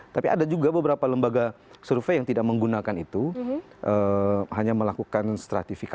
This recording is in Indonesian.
tapi ada juga beberapa lembaga survei yang tidak menggunakan itu hanya melakukan stratifikasi